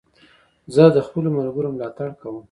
زه د خپلو ملګرو ملاتړ کوم.